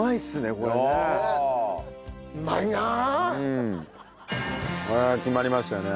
これは決まりましたね。